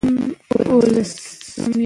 د ده په کلام کې د ساده عشق نښې شته.